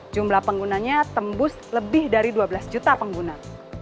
jumlah penggunanya tembus lebih dari dua belas juta pengguna